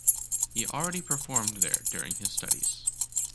He already performed there during his studies.